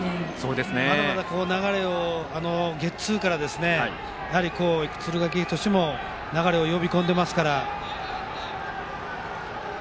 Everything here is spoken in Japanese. まだまだ流れをゲッツーから敦賀気比としても呼び込んでいますから。